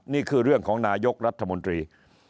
นี่คือเรื่องของนายกรัฐมนตรี